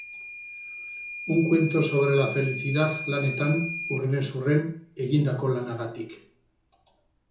Un cuento sobre la felicidad lanetan, hurrenez hurren, egindako lanagatik.